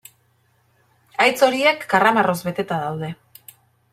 Haitz horiek karramarroz beteta daude.